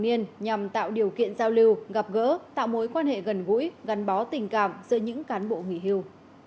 niên nhằm tạo điều kiện giao lưu gặp gỡ tạo mối quan hệ gần gũi gắn bó tình cảm giữa những cán bộ nghỉ hưu